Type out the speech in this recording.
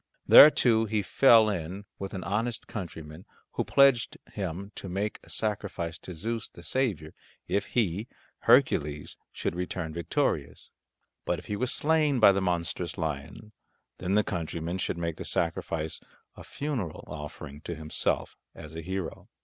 There too he fell in with an honest countryman who pledged him to make a sacrifice to Zeus, the saviour, if he, Hercules, should return victorious; but if he were slain by the monstrous lion, then the countryman should make the sacrifice a funeral offering to himself as a hero.